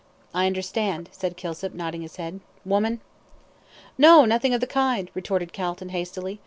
"I understand," said Kilsip, nodding his head. "Woman?" "No, nothing of the kind," retorted Calton, hastily.